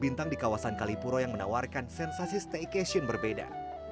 bintang di kawasan kalipuro yang menawarkan sensasi staycation berbeda